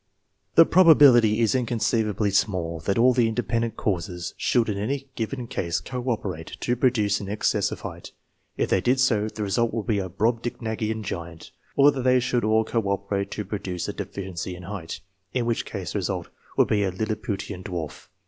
The probability is inconceivably small that all the independent causes should in any given case co operate to produce an excess of height; if they did so, the result would be a Brobdignagian giant ; or that they should all co operate to produce a deficiency in height, in which case the result would be a Lilliputian dwarf.